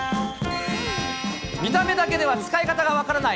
見た目だけでは使い方が分からない、